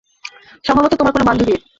সম্ভবত, তোমার কোনো বান্ধবীর।